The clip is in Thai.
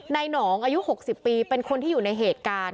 หนองอายุ๖๐ปีเป็นคนที่อยู่ในเหตุการณ์